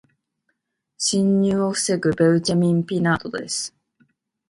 侵入を防ぐベウチェミン・ピナードです。